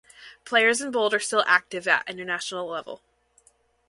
Players in bold are still active at international level.